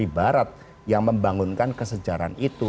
di tepi barat yang membangunkan kesejaran itu